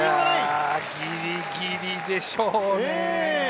ギリギリでしょうね。